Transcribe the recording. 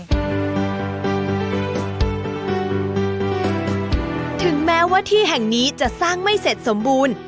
ถึงแม้ว่าที่แห่งนี้จะสร้างไม่เสร็จสมบูรณ์